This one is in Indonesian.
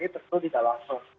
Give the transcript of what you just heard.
itu tidak langsung